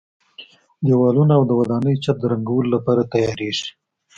دېوالونه او د ودانۍ چت د رنګولو لپاره تیاریږي.